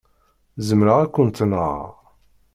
Zemreɣ ad kent-nɣeɣ.